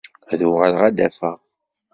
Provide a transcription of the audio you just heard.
Ad uɣaleɣ ad d-afeɣ.